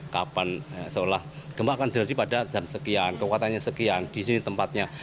kapan seolah gempa akan terjadi pada jam sekian kekuatannya sekian di sini tempatnya